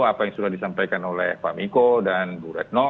apa yang sudah disampaikan oleh pak miko dan bu retno